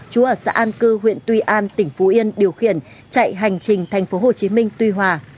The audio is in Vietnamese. chú ở xã an cư huyện tuy an tỉnh phú yên điều khiển chạy hành trình tp hcm tuy hòa